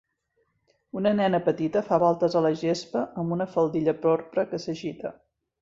Una nena petita fa voltes a la gespa amb una faldilla porpra que s'agita